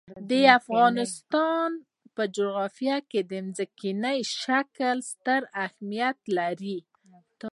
د افغانستان جغرافیه کې ځمکنی شکل ستر اهمیت لري.